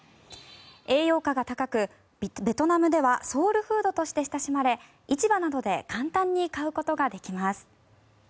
栄養価が高く、ベトナムではソウルフードして親しまれ市場などで簡単に買うことができます。